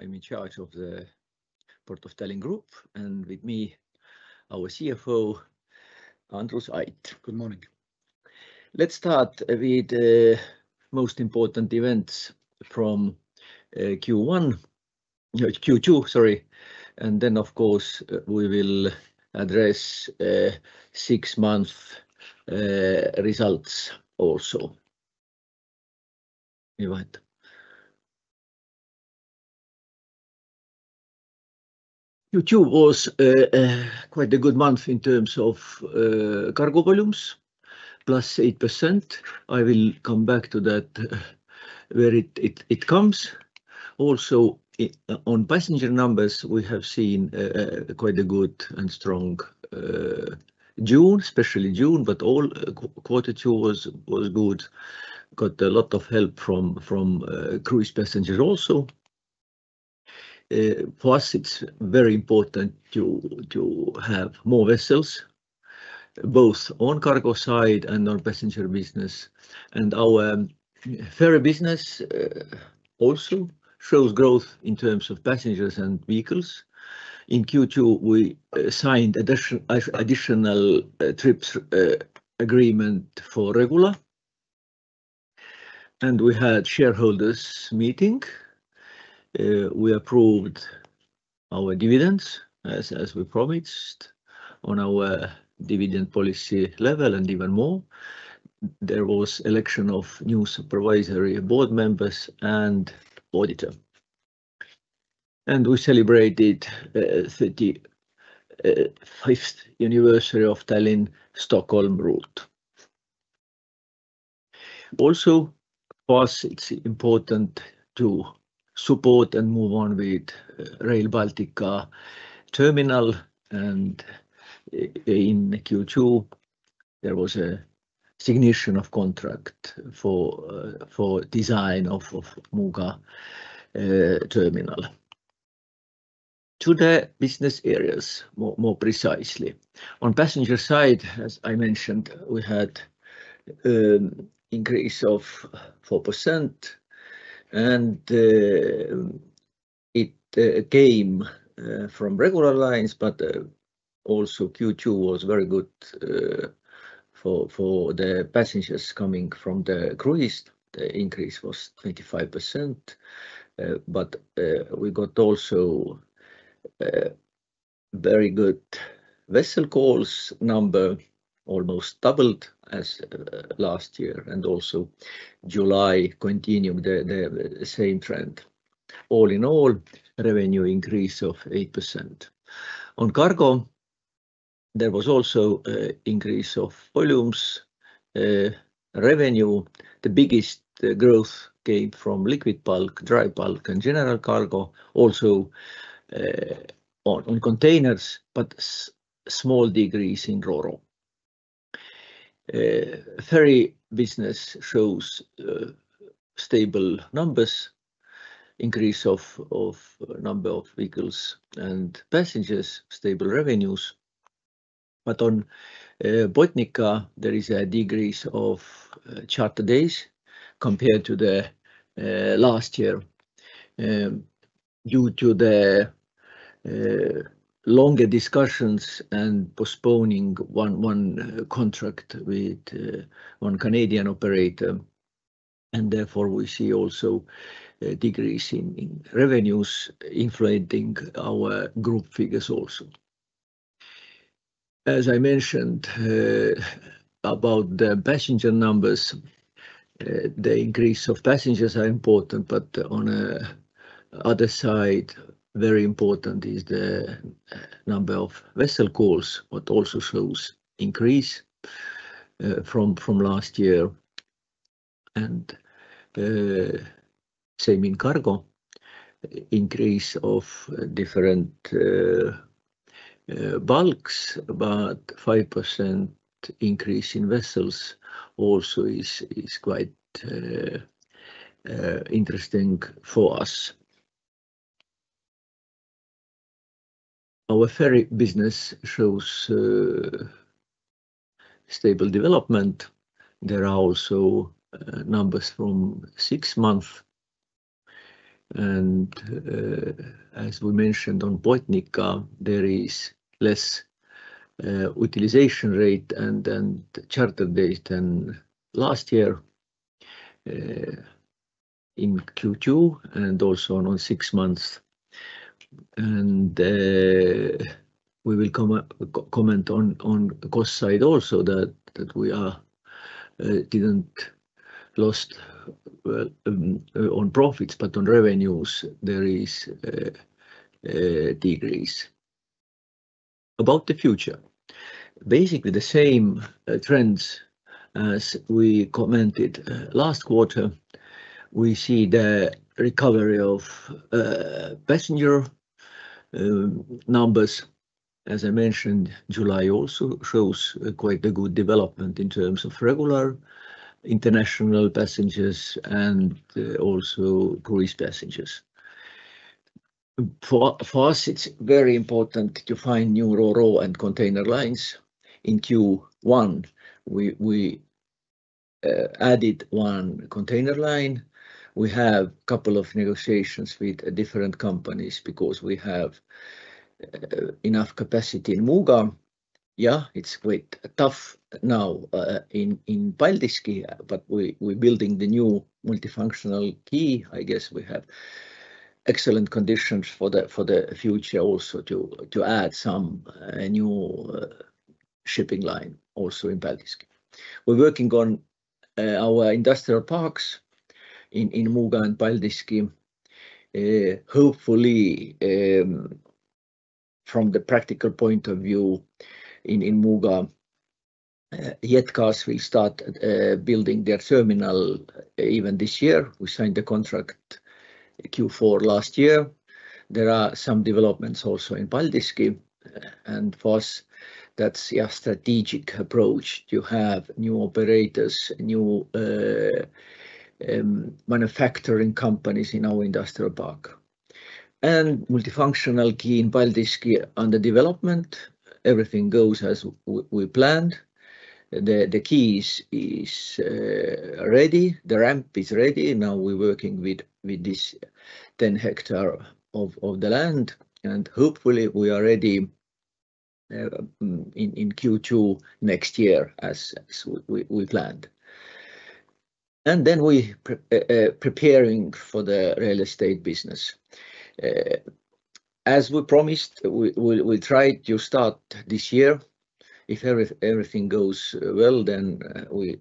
I'm in charge of the Port of Tallinn Group, and with me, our CFO, Andrus Ait. Good morning. Let's start with the most important events from Q1, Q2, sorry. Then, of course, we will address six-month results also. Go ahead. Q2 was quite a good month in terms of cargo volumes, +8%. I will come back to that, where it comes. Also, on passenger numbers, we have seen quite a good and strong June, especially June, but all quarter two was good. Got a lot of help from cruise passengers also. For us, it's very important to have more vessels, both on cargo side and on passenger business. Our ferry business also shows growth in terms of passengers and vehicles. In Q2, we signed an additional trips agreement for Regula. We had a shareholders' meeting. We approved our dividends as we promised on our dividend policy-level and even more. There was an election of new supervisory board members and auditor. We celebrated the 35th anniversary of Tallinn-Stockholm route. For us, it's important to support and move on with Rail Baltica terminal. In Q2, there was a signature of contract for the design of Muuga terminal. To the business areas, more precisely, on the passenger side, as I mentioned, we had an increase of 4%. It came from regular lines, but also Q2 was very good for the passengers coming from the cruise. The increase was 25%. We got also very good vessel call-number, almost doubled as last year. Also, July continued the same trend. All in all, revenue increase of 8%. On cargo, there was also an increase of volumes, revenue. The biggest growth came from liquid bulk, dry bulk, and general cargo. Also on containers, but a small decrease in Ro-Ro. Ferry business shows stable numbers, increase of the number of vehicles and passengers, stable revenues. On Botnica, there is a decrease of charter days compared to last year due to the longer discussions and postponing one contract with one Canadian operator. Therefore, we see also a decrease in revenues influencing our group figures also. As I mentioned about the passenger numbers, the increase of passengers is important, but on the other side, very important is the number of vessel calls, which also shows an increase from last year. Same in cargo, increase of different bulks, about 5% increase in vessels also is quite interesting for us. Our ferry business shows stable development. There are also numbers from six month. As we mentioned on Botnica, there is less utilization-rate and charter days than last year in Q2 and also on six-months. We will comment on the cost-side also that we didn't lose on profits, but on revenues, there is a decrease about the future. Basically, the same trends as we commented last quarter. We see the recovery of passenger numbers. As I mentioned, July also shows quite a good development in terms of regular international passengers and also cruise passengers. For us, it's very important to find new roro and container lines. In Q1, we added one container line. We have a couple of negotiations with different companies because we have enough capacity in Muuga. It's quite tough now in Paldiski, but we're building the new multifunctional quay. I guess we have excellent conditions for the future also to add some new shipping line also in Paldiski. We're working on our industrial parks in Muuga and Paldiski. Hopefully, from the practical point of view in Muuga, JetGas OÜ will start building their terminal even this year. We signed the contract Q4 last year. There are some developments also in Paldiski. For us, that's a strategic-approach to have new operators, new manufacturing companies in our industrial park. The multifunctional-quay in Paldiski is under development. Everything goes as we planned. The quay is ready. The ramp is ready. Now we're working with this 10 hectares of the land. Hopefully, we are ready in Q2 next year as we planned. We are preparing for the real-estate business. As we promised, we'll try to start this year. If everything goes well, then we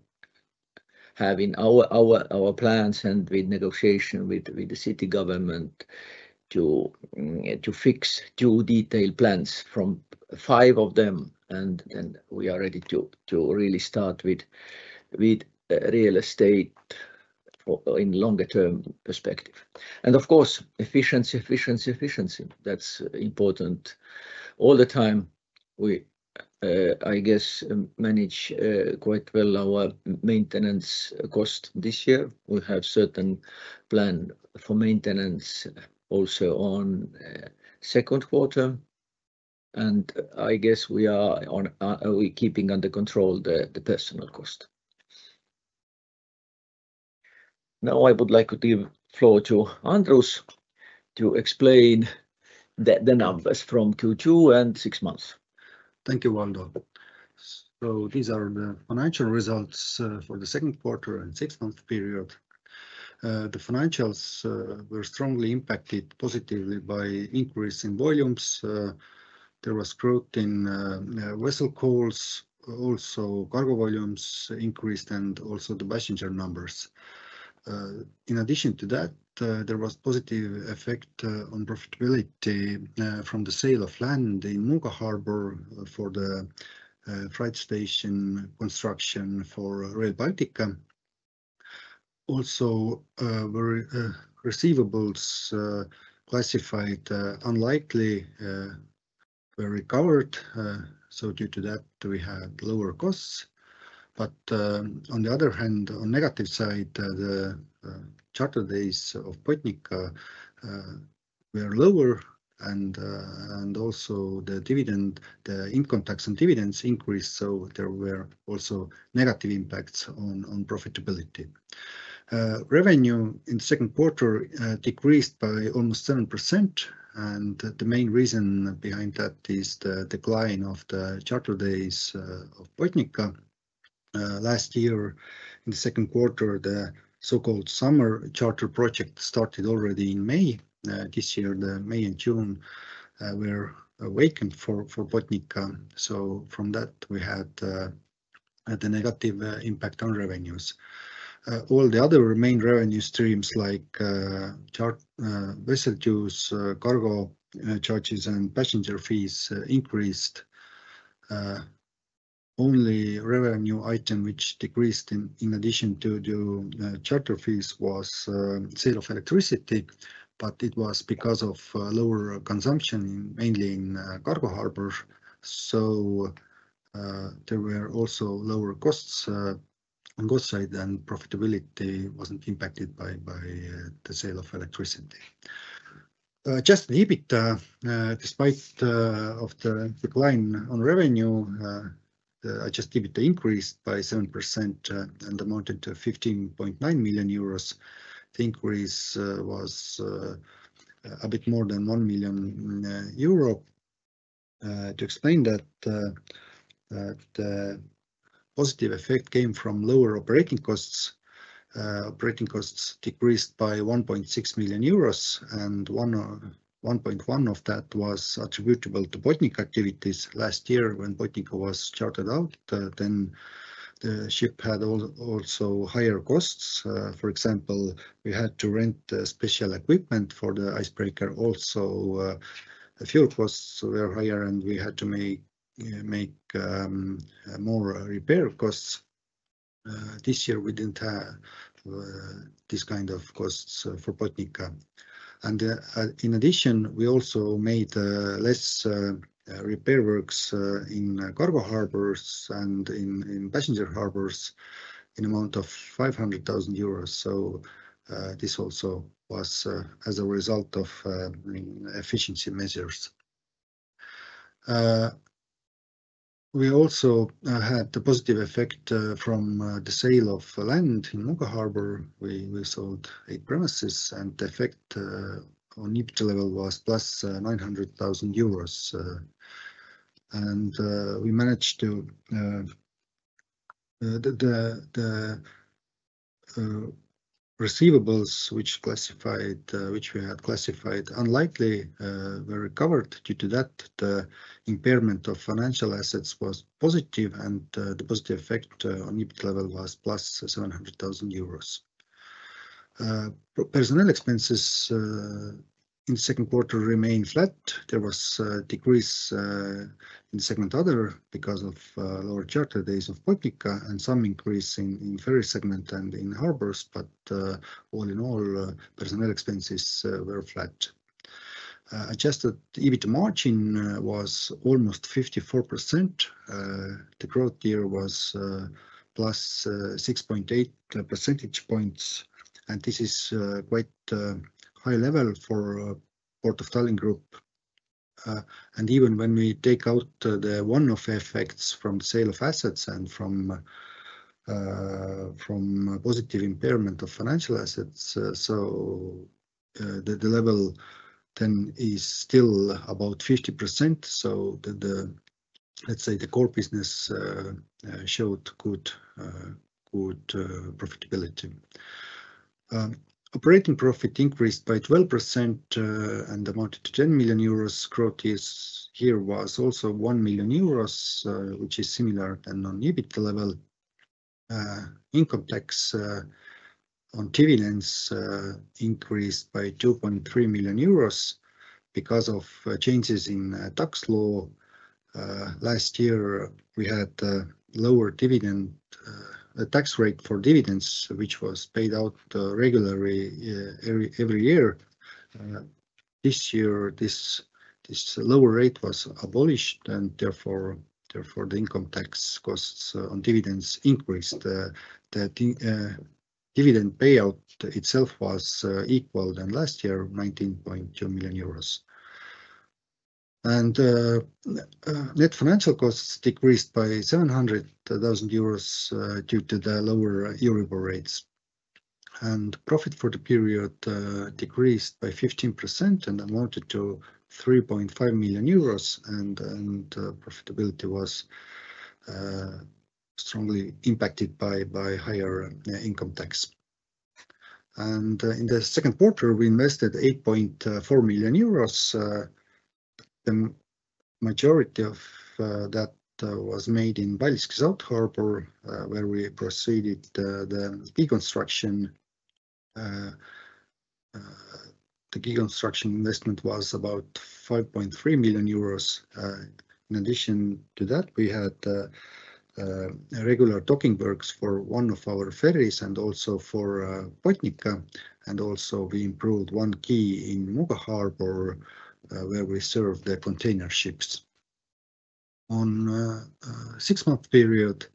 have in our plans and with negotiation with the city government to fix two detailed plans from five of them. We are ready to really start with real estate in a longer-term perspective. Of course, efficiency, efficiency, efficiency. That's important. All the time, we, I guess, manage quite well our maintenance cost this year. We have a certain plan for maintenance also on the second quarter. I guess we are keeping under control the personnel cost. Now I would like to give the floor to Andrus to explain the numbers from Q2 and six-months. Thank you, Valdo. These are the financial results for the second quarter and six-month period. The financials were strongly impacted positively by increase in volumes. There was growth in vessel calls, also cargo volumes increased, and also the passenger numbers. In addition to that, there was a positive effect on profitability from the sale of land in Muuga Harbor for the freight-station construction for Rail Baltica. Also, receivables classified unlikely were recovered. Due to that, we had lower costs. On the other hand, on the negative side, the charter days of Botnica were lower, and also the income tax and dividends increased. There were also negative impacts on profitability. Revenue in the second quarter decreased by almost 7%. The main reason behind that is the decline of the charter days of Botnica. Last year, in the second quarter, the so-called Summer Charter Project started already in May. This year, May and June were waiting for Botnica. From that, we had the negative impact on revenues. All the other main revenue streams like vessel dues, cargo charges, and passenger fees increased. The only revenue item which decreased in addition to the charter fees was the sale of electricity, but it was because of lower consumption mainly in Cargo Harbor. There were also lower costs on the cost-side, and profitability wasn't impacted by the sale of electricity. Just a little bit, despite the decline on revenue, adjusted EBITDA increased by 7% and amounted to 15.9 million euros. The increase was a bit more than 1 million euro. To explain that, the positive effect came from lower operating costs. Operating costs decreased by 1.6 million euros, and 1.1 million of that was attributable to Botnica activities last year when Botnica was chartered out. Then the ship had also higher costs. For example, we had to rent the special equipment for the icebreaker. Also the fuel costs were higher, and we had to make more repair costs. This year, we didn't have this kind of costs for Botnica. In addition, we also made less repair works in cargo harbors and in passenger harbors in the amount of 500,000 euros. This also was as a result of efficiency measures. We also had the positive effect from the sale of land in Muuga Harbor. We sold eight premises, and the effect on EBITDA level was +EUR 900,000. We managed to, the receivables which we had classified unlikely, were recovered. Due to that, the impairment of financial assets was positive, and the positive effect on EBITDA level was +100,000 euros. Personnel expenses in the second quarter remain flat. There was a decrease in the segment Other because of lower charter days of Botnica and some increase in the ferry segment and in the harbors, but all in all, personnel expenses were flat. Adjusted EBITDA margin was almost 54%. The growth year was plus 6.8 percentage points. This is quite a high level for the Port of Tallinn Group. Even when we take out the one-off effects from the sale of assets and from positive impairment of financial assets, the level then is still about 50%. Let's say the core business showed good profitability. Operating profit increased by 12% and amounted to 10 million euros. Growth years here was also 1 million euros, which is similar than on EBITDA level. Income tax on dividends increased by 2.3 million euros because of changes in tax law. Last year, we had a lower tax rate for dividends, which was paid out regularly every year. This year, this lower rate was abolished, and therefore, the income tax costs on dividends increased. The dividend payout itself was equal than last year, 19.2 million euros. Net financial costs decreased by 700,000 euros due to the lower Euribor rates. Profit for the period decreased by 15% and amounted to 3.5 million euros. Profitability was strongly impacted by higher income tax. In the second quarter, we invested 8.4 million euros. The majority of that was made in Paldiski South Harbor, where we proceeded the quay construction. The quay construction investment was about 5.3 million euros. In addition to that, we had regular docking works for one of our ferries and also for Botnica. We improved one quay in Muuga Harbor, where we served the container ships. On a six-month period,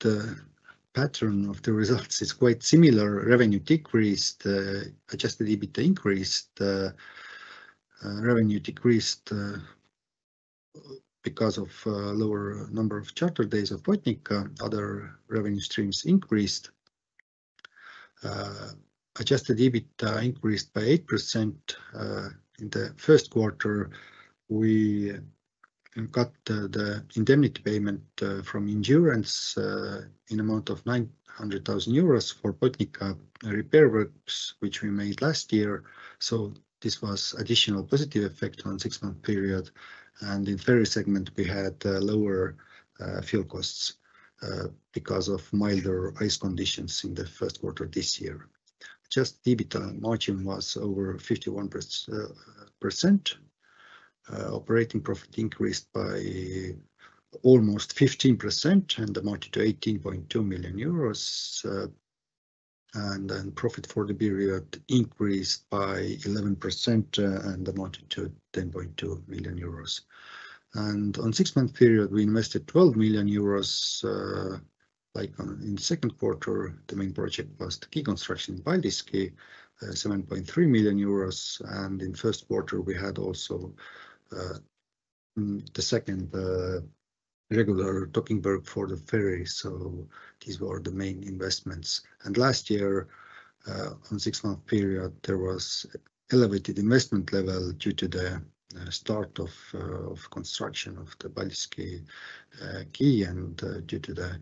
the pattern of the results is quite similar. Revenue decreased. Adjusted EBITDA increased. Revenue decreased because of a lower number of charter days of Botnica. Other revenue streams increased. Adjusted EBITDA increased by 8%. In the first quarter, we got the indemnity payment from Endurance in the amount of 900,000 euros for Botnica repair works, which we made last year. This was an additional positive effect on a six-month period. In the ferry segment, we had lower fuel costs because of milder ice conditions in the first quarter this year. Adjusted EBITDA margin was over 51%. Operating profit increased by almost 15% and amounted to 18.2 million euros. Profit for the period increased by 11% and amounted to 10.2 million euros. On a six-month period, we invested 12 million euros. In the second quarter, the main project was the quay construction in Paldiski, 7.3 million euros. In the first quarter, we had also the second regular docking work for the ferry. These were the main investments. Last year, on a six-month period, there was an elevated investment level due to the start of construction of the Paldiski quay. Due to the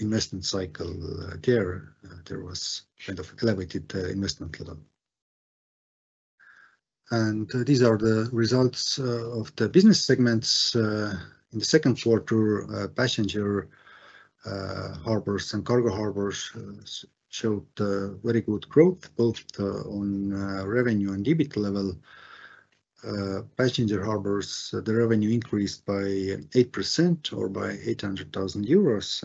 investment cycle there, there was kind of an elevated investment level. These are the results of the business segments. In the second quarter, passenger harbors and cargo harbors showed very good growth both on revenue and EBITDA level. Passenger harbors, the revenue increased by 8% or by 800,000 euros.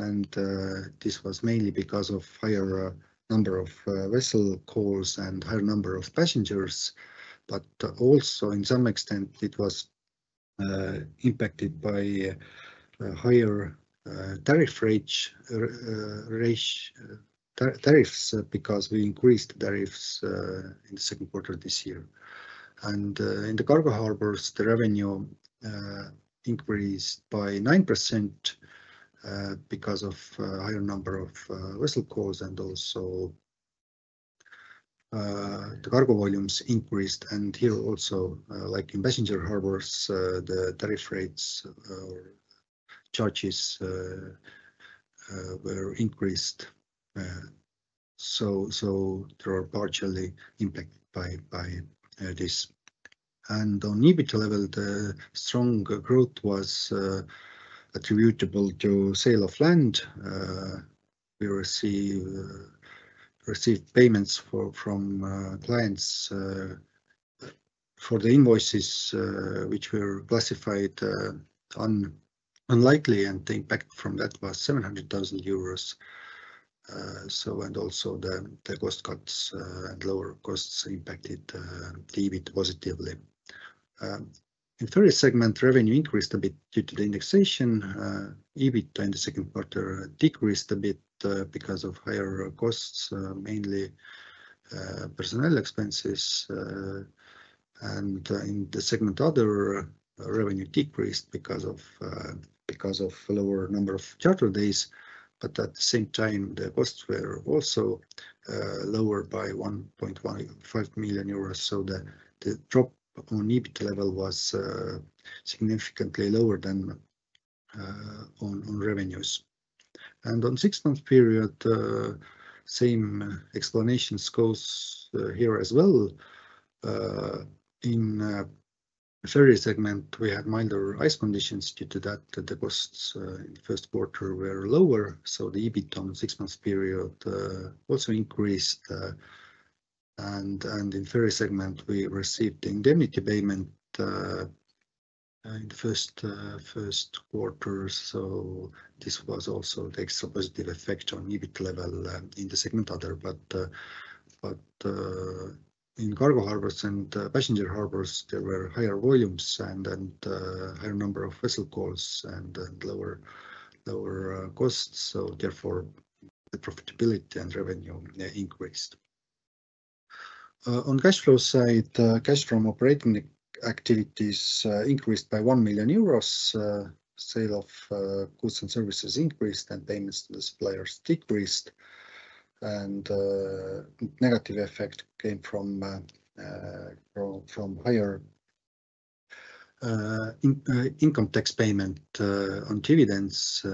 This was mainly because of a higher number of vessel calls and a higher number of passengers. Also, to some extent, it was impacted by higher tariffs because we increased the tariffs in the second quarter of this year. In the cargo harbors, the revenue increased by 9% because of a higher number of vessel calls and also the cargo volumes increased. Here also, like in passenger harbors, the tariff rates or charges were increased. They were partially impacted by this. On EBITDA level, the strong growth was attributable to the sale of land. We received payments from clients for the invoices, which were classified unlikely. The impact from that was 700,000 euros. Also, the cost cuts and lower costs impacted the EBITDA positively. In the ferry segment, revenue increased a bit due to the indexation. EBITDA in the second quarter decreased a bit because of higher costs, mainly personnel expenses. In the segment Other, revenue decreased because of a lower number of charter days. At the same time, the costs were also lowered by 1.5 million euros. The drop on EBITDA level was significantly lower than on revenues. On a six-month period, same explanations go here as well. In the ferry segment, we had milder ice conditions. Due to that, the costs in the first quarter were lower. The EBITDA on a six-month period also increased. In the ferry segment, we received the indemnity payment in the first quarter. This was also the extra positive effect on EBITDA level in the segment other. In cargo harbors and passenger harbors, there were higher volumes and a higher number of vessel calls and lower costs. Therefore, the profitability and revenue increased. On the cash flow side, cash from operating activities increased by 1 million euros. Sale of goods and services increased and payments to the suppliers decreased. The negative effect came from higher income tax payment on dividends.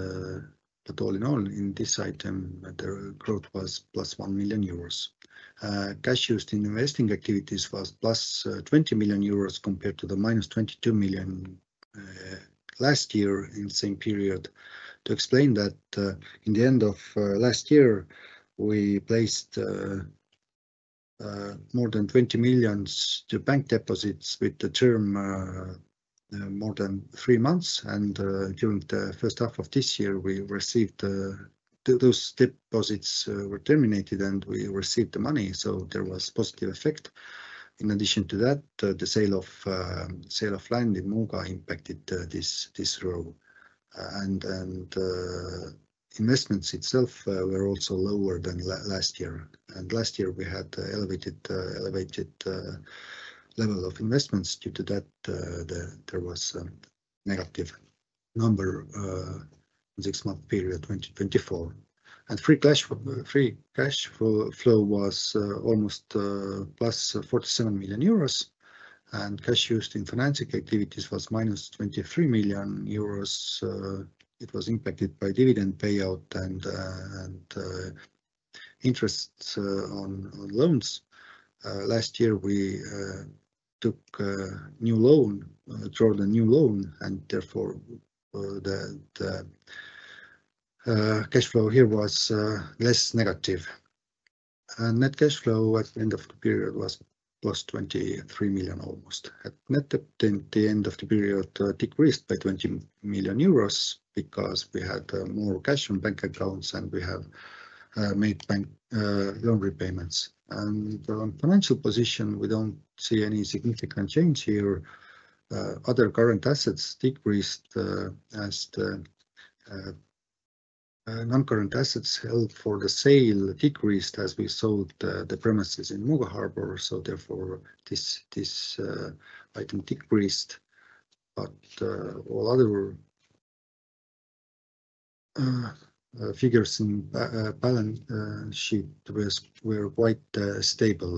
All in all, in this item, the growth was +1 million euros. Cash used in investing activities was +20 million euros compared to the -22 million last year in the same period. To explain that, at the end of last year, we placed more than 20 million to bank deposits with the term more than three months. During the first half of this year, those deposits were terminated and we received the money. There was a positive effect. In addition to that, the sale of land in Muuga Harbor impacted this row. The investments itself were also lower than last year. Last year, we had an elevated level of investments. Due to that, there was a negative number on a six-month period, 2024. Free cash flow was almost +47 million euros. Cash used in financing activities was -23 million euros. It was impacted by dividend payout and interests on loans. Last year, we took a new loan, drawn a new loan, and therefore, the cash flow here was less negative. Net cash flow at the end of the period was 23 million almost. At the end of the period, it decreased by 20 million euros because we had more cash in bank accounts and we have made bank-loan repayments. On the financial position, we don't see any significant change here. Other current assets decreased as the non-current assets held for the sale decreased as we sold the premises in Muuga Harbor. Therefore, this item decreased. All other figures in the balance sheet were quite stable.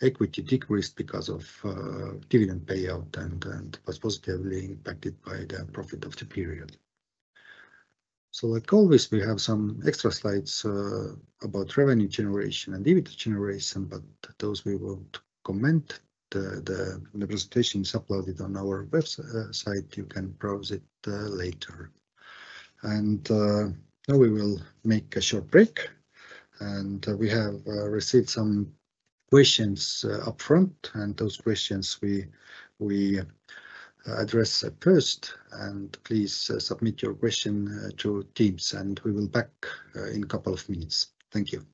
Equity decreased because of dividend payout and was positively impacted by the profit of the period. Like always, we have some extra slides about revenue generation and EBITDA generation, but those we will comment. The presentation is uploaded on our website. You can browse it later. Now we will make a short break. We have received some questions upfront, and those questions we addressed first. Please submit your question to Teams, and we will be back in a couple of minutes. Thank you.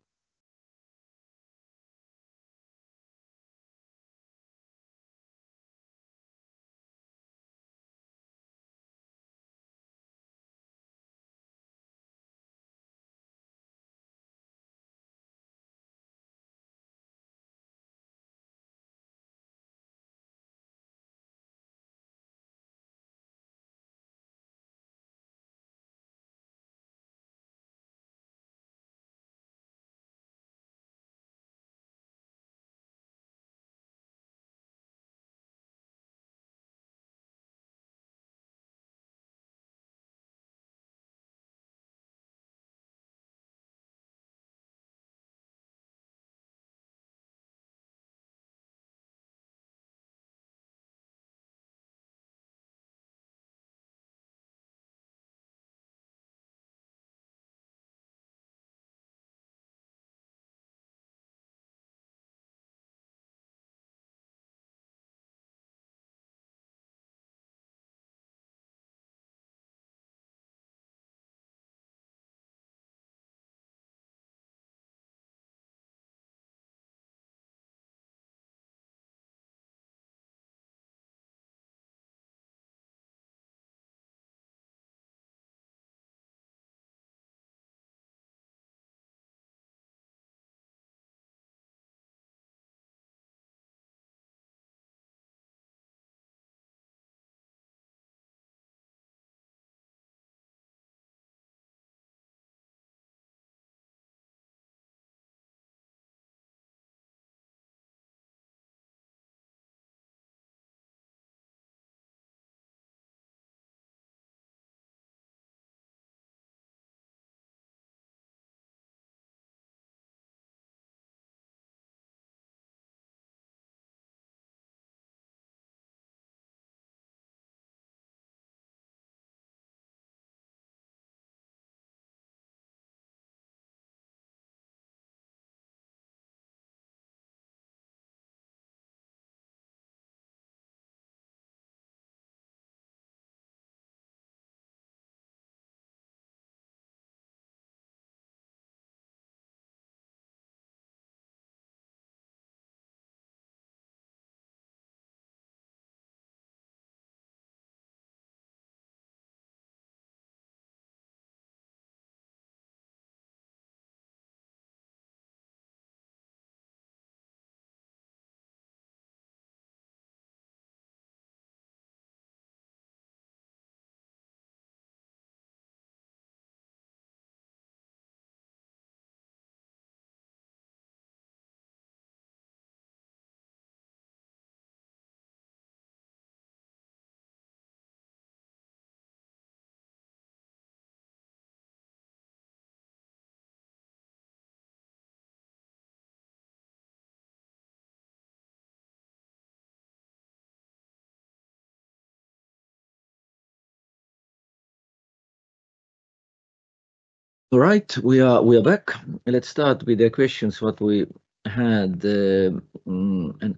All right. We are back. Let's start with the questions, what we had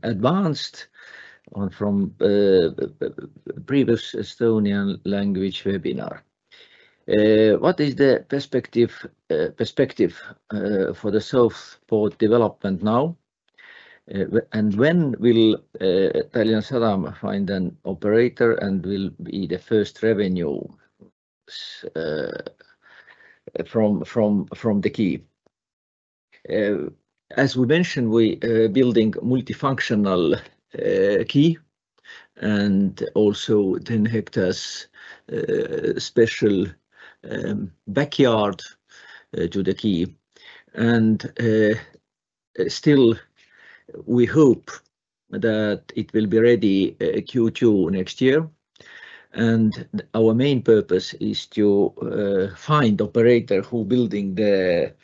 advanced from the previous Estonian language webinar. What is the perspective for the South Port development now? When will AS Tallinna Sadam find an operator and when will be the first revenue from the quay? As we mentioned, we are building a multifunctional quay and also 10 hectares special backyard to the quay. We still hope that it will be ready Q2 next year. Our main purpose is to find an operator who is building the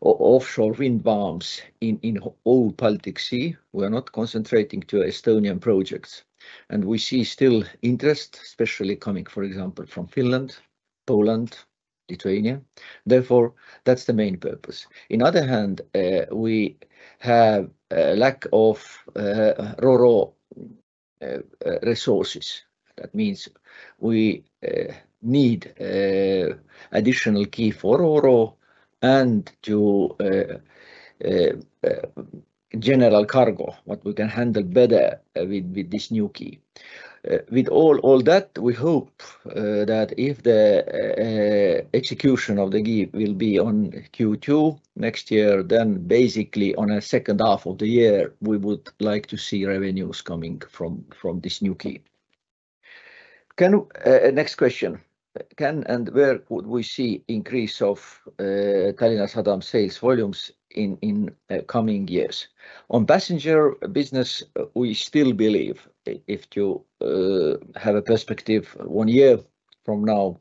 offshore wind farms in old Paldiski. We are not concentrating on Estonian projects. We see still interest, especially coming, for example, from Finland, Poland, Lithuania. Therefore, that's the main purpose. On the other hand, we have a lack of Ro-Ro resources. That means we need additional quay for Ro-Ro and to general cargo, which we can handle better with this new quay. With all that, we hope that if the execution of the quay will be on Q2 next year, then basically in the second half of the year, we would like to see revenues coming from this new quay. Next question. Can and where would we see an increase of AS Tallinna Sadam sales volumes in the coming years? On passenger business, we still believe, if you have a perspective one year from now,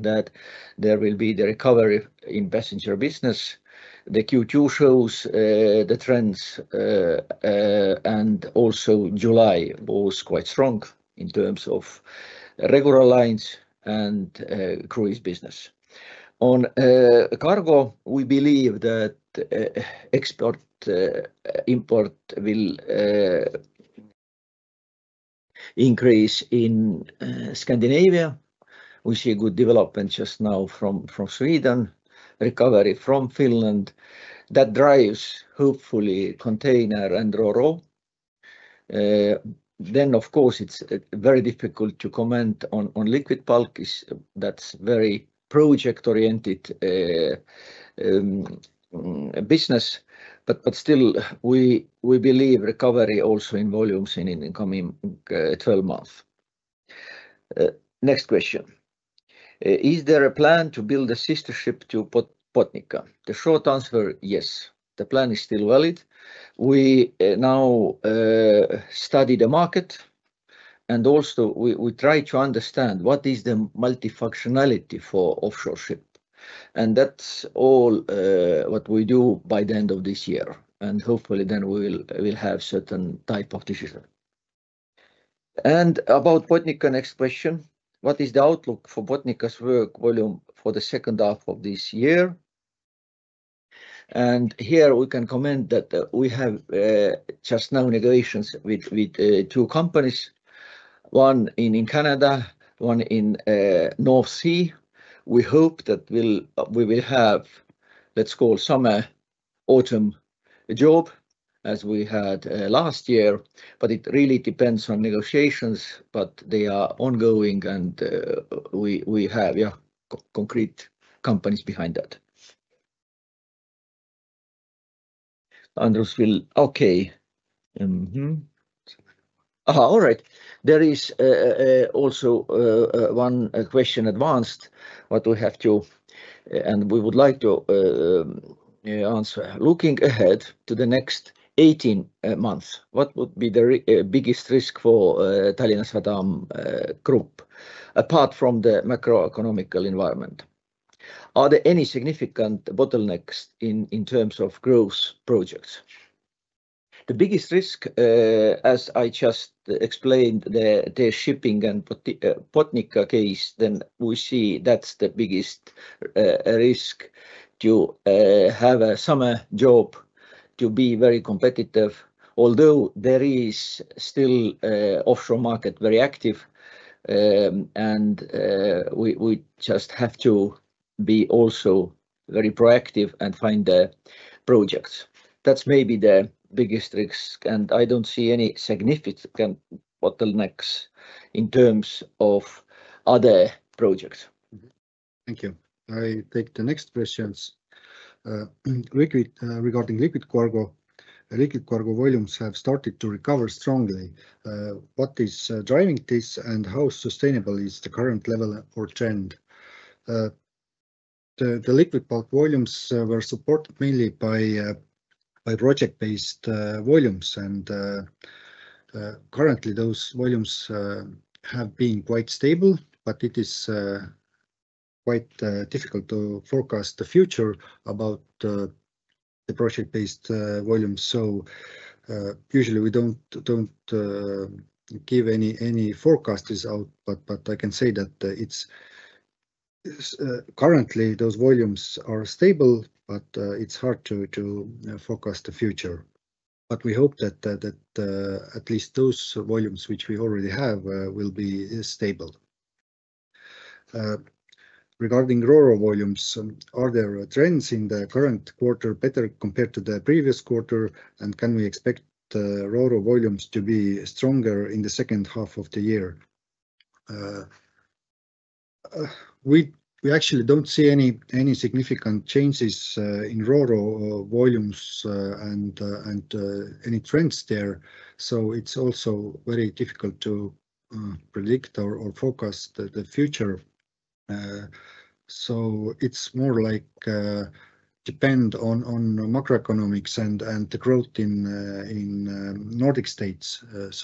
that there will be the recovery in passenger business. The Q2 shows the trends, and also July was quite strong in terms of regular lines and cruise business. On cargo, we believe that export-import will increase in Scandinavia. We see a good development just now from Sweden, recovery from Finland. That drives hopefully container and Ro-Ro. It is very difficult to comment on liquid bulk. That's a very project-oriented business. We believe recovery also in volumes in the coming 12 months. Next question. Is there a plan to build a sister ship to Botnica? The short answer is yes. The plan is still valid. We now study the market, and also we try to understand what is the multifunctionality for offshore ship. That's all what we do by the end of this year. Hopefully, then we will have a certain type of decision. About Botnica, next question, what is the outlook for Botnica's work-volume for the second half of this year? Here, we can comment that we have just now negotiations with two companies, one in Canada, one in the North Sea. We hope that we will have, let's call, summer-autumn job as we had last year. It really depends on negotiations, but they are ongoing, and we have, yeah, concrete companies behind that. Andrus will, okay. All right. There is also one question advanced, what we have to, and we would like to answer. Looking ahead to the next 18 months, what would be the biggest risk for Port of Tallinn Group apart from the macroeconomical environment? Are there any significant bottlenecks in terms of growth projects? The biggest risk, as I just explained, the shipping and Botnica case, then we see that's the biggest risk to have a summer job to be very competitive, although there is still an offshore market very active. We just have to be also very proactive and find the projects. That's maybe the biggest risk. I don't see any significant bottlenecks in terms of other projects. Thank you. I take the next question regarding liquid cargo. Liquid cargo volumes have started to recover strongly. What is driving this, and how sustainable is the current level or trend? The liquid bulk volumes were supported mainly by project-based volumes. Currently, those volumes have been quite stable, but it is quite difficult to forecast the future about the project-based volumes. Usually, we don't give any forecasts out, but I can say that currently, those volumes are stable, but it's hard to forecast the future. We hope that at least those volumes which we already have will be stable. Regarding roro volumes, are there trends in the current quarter better compared to the previous quarter, and can we expect roro volumes to be stronger in the second half of the year? We actually don't see any significant changes in Ro-Ro volumes and any trends there. It's also very difficult to predict or forecast the future. It depends on macroeconomics and the growth in the Nordic states. If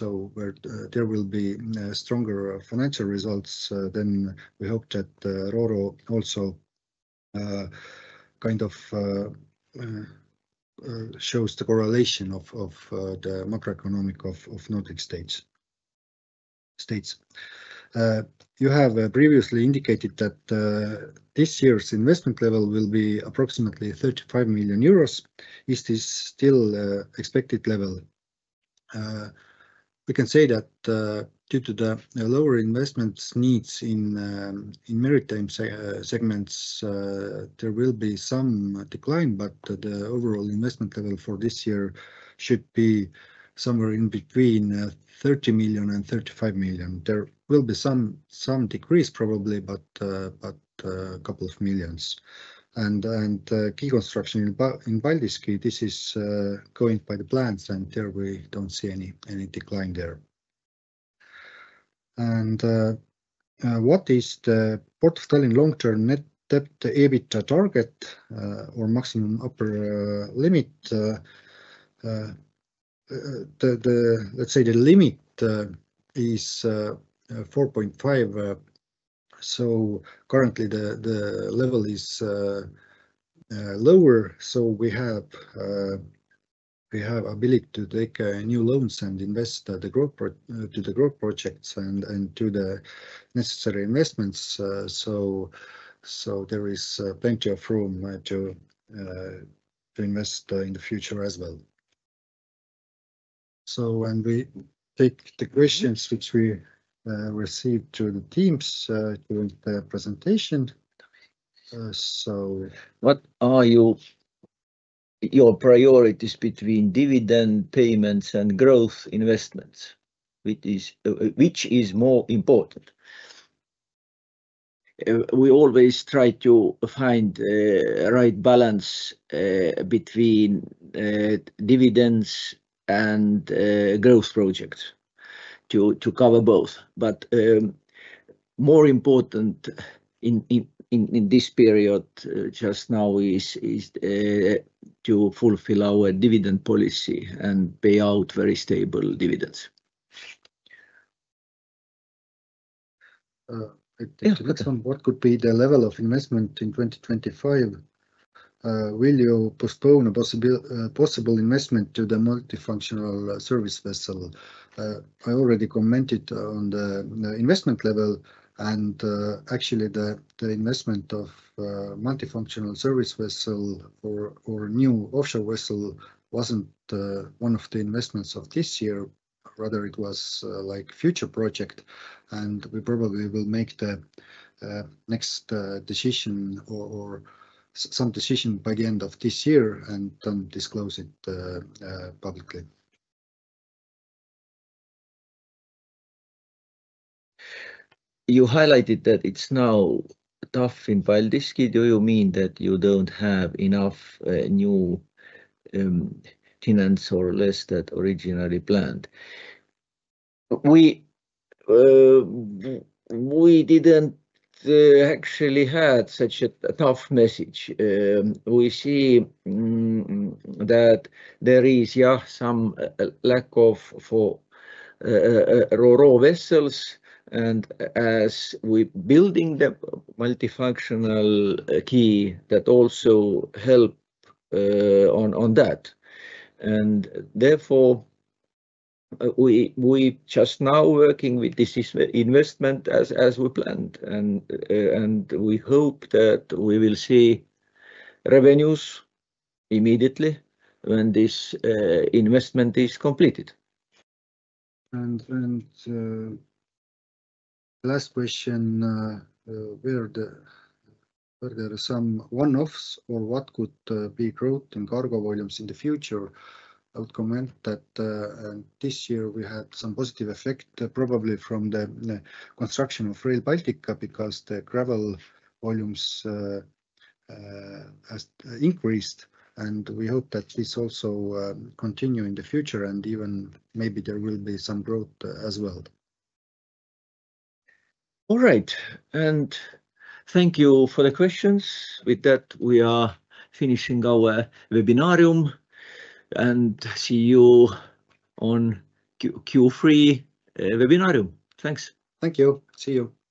there will be stronger financial results, we hope that Ro-Ro also kind of shows the correlation of the macroeconomics of the Nordic states. You have previously indicated that this year's investment level will be approximately 35 million euros. Is this still an expected level? We can say that due to the lower investment needs in maritime segments, there will be some decline, but the overall investment level for this year should be somewhere in between 30 million and 35 million. There will be some decrease probably, but a couple of millions. The key construction in Paldiski, this is going by the plans, and there we don't see any decline. What is the Port of Tallinn long-term net debt/EBITDA target or maximum upper limit? The limit is 4.5. Currently, the level is lower. We have the ability to take new loans and invest in the growth projects and do the necessary investments. There is plenty of room to invest in the future as well. We take the questions which we received through the Teams during the presentation. What are your priorities between dividend payments and growth investments? Which is more important? We always try to find the right balance between dividends and growth projects to cover both. More important in this period just now is to fulfill our dividend policy and pay out very stable dividends. I think the next one, what could be the level of investment in 2025? Will you postpone a possible investment to the multifunctional service vessel? I already commented on the investment level. Actually, the investment of a multifunctional service vessel or new offshore vessel wasn't one of the investments of this year. Rather, it was like a future project. We probably will make the next decision or some decision by the end of this year and don't disclose it publicly. You highlighted that it's now tough in Paldiski. Do you mean that you don't have enough new tenants or less than originally planned? We didn't actually have such a tough message. We see that there is, yeah, some lack of Ro-Ro vessels. As we're building the multifunctional quay, that also helps on that. Therefore, we're just now working with this investment as we planned. We hope that we will see revenues immediately when this investment is completed. Last question. Are there some one-offs or what could be growth in cargo volumes in the future? I would comment that this year we had some positive effect, probably from the construction of Rail Baltica because the gravel volumes increased. We hope that this also continues in the future, and even maybe there will be some growth as well. All right. Thank you for the questions. With that, we are finishing our webinar and see you on Q3 webinar. Thanks. Thank you. See you.